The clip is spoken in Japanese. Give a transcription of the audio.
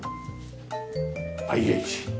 ＩＨ。